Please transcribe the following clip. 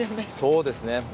そうですね。